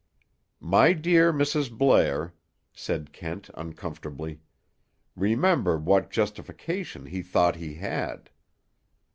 "My dear Mrs. Blair!" said Kent uncomfortably. "Remember what justification he thought he had."